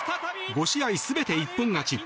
５試合全て一本勝ち。